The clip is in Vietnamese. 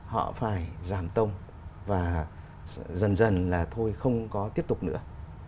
họ phải giảm tông và dần dần là thôi không có tiếp tục nữa